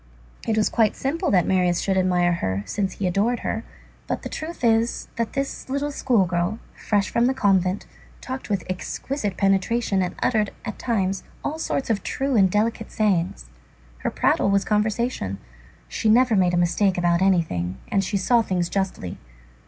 It was quite simple that Marius should admire her, since he adored her. But the truth is, that this little school girl, fresh from the convent, talked with exquisite penetration and uttered, at times, all sorts of true and delicate sayings. Her prattle was conversation. She never made a mistake about anything, and she saw things justly.